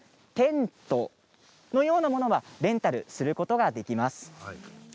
テントのようなものはレンタルすることができます。